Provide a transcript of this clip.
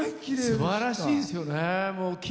すばらしいですよね。